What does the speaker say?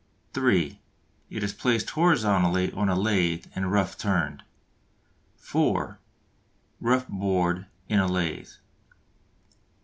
(3) It is placed horizontally on a lathe and rough turned. (4) Rough bored in a lathe.